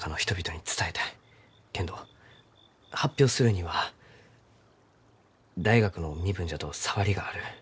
けんど発表するには大学の身分じゃと障りがある。